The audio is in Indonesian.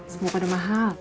semoga ada mahal